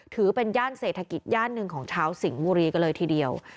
ถือเป็นย่านเศษทคิดย่านหนึ่งของชาวสิงห์โมรีก็เลยทีเดียว